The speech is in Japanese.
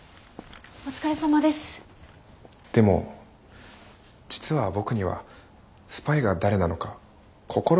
でも実は僕にはスパイが誰なのか心当たりがありまして。